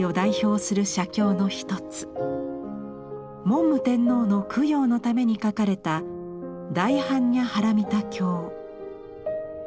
文武天皇の供養のために書かれた「大般若波羅蜜多経」。